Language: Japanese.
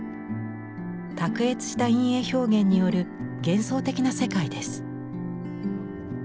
卓越した陰影表現による幻想的な世界です。